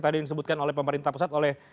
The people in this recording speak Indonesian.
tadi disebutkan oleh pemerintah pusat oleh